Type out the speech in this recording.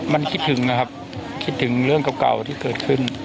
มันคิดถึงนะครับคิดถึงเรื่องเก่าที่เกิดขึ้น